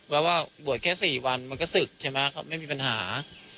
แล้วว่าบวชแค่สี่วันมันก็สึกใช่ไหมครับไม่มีปัญหา